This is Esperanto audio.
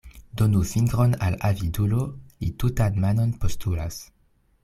Donu fingron al avidulo, li tutan manon postulas.